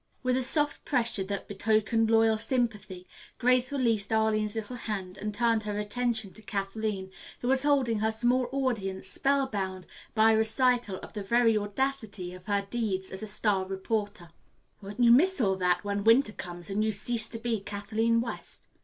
With a soft pressure that betokened loyal sympathy, Grace released Arline's little hand and turned her attention to Kathleen, who was holding her small audience spellbound by a recital of the very audacity of her deeds as a star reporter. "Won't you miss all that when winter comes and you cease to be Kathleen West?"